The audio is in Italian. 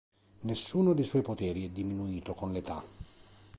Nessuno dei suoi poteri è diminuito con l'età.